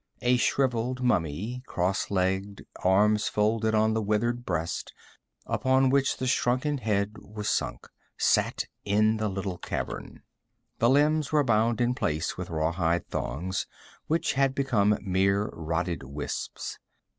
A shriveled mummy, cross legged, arms folded on the withered breast upon which the shrunken head was sunk, sat in the little cavern. The limbs were bound in place with rawhide thongs which had become mere rotted wisps.